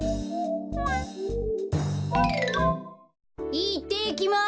いってきます！